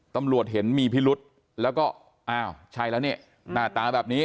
ตำรวจเห็นมีพิรุธแล้วก็อ้าวใช่แล้วนี่หน้าตาแบบนี้